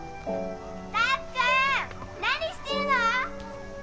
たっくん何してるの？